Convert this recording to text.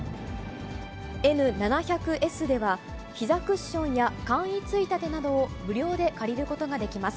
Ｎ７００Ｓでは、ひざクッションや簡易ついたてなどを無料で借りることができます。